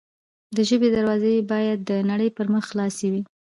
د ژبې دروازې باید د نړۍ پر مخ خلاصې وي.